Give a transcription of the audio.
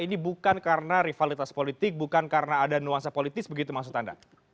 ini bukan karena rivalitas politik bukan karena ada nuansa politis begitu maksud anda